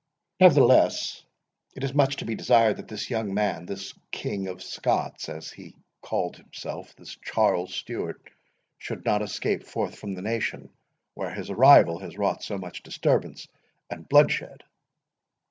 Nevertheless, it is much to be desired that this young man, this King of Scots, as he called himself—this Charles Stewart—should not escape forth from the nation, where his arrival has wrought so much disturbance and bloodshed."